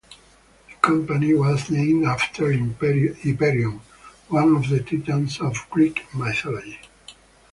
The company was named after Hyperion, one of the Titans of Greek mythology.